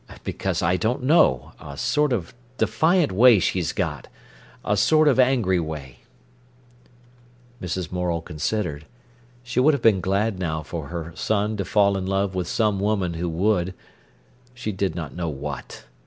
"Because I don't know—a sort of defiant way she's got—a sort of angry way." Mrs. Morel considered. She would have been glad now for her son to fall in love with some woman who would—she did not know what.